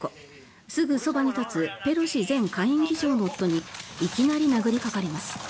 すぐそばに立つペロシ前下院議長の夫にいきなり殴りかかります。